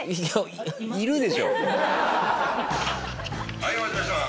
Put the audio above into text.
はいお待ちしてました。